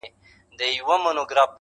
o چي څنگه ئې ځنگل، هغسي ئې چغالان.